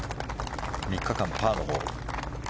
３日間、パーのホール。